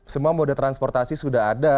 semua moda transportasi sudah ada